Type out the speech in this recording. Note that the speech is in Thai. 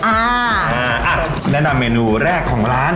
อ่าอ่ะแนะนำเมนูแรกของร้าน